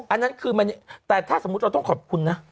อันนั้นคือมันแต่ถ้าสมมุติเราต้องขอบคุณนะ